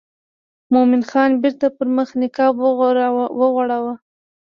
مومن خان بیرته پر مخ نقاب وغوړاوه.